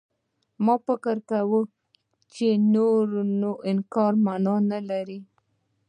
ما فکر وکړ چې نور نو انکار مانا نه لري.